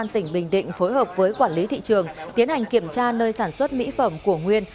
tỉnh bình định phối hợp với quản lý thị trường tiến hành kiểm tra nơi sản xuất mỹ phẩm của nguyên